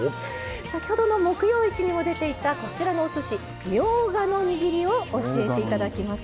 先ほどの木曜市にも出ていたこちらのおすしみょうがのにぎりを教えていただきます。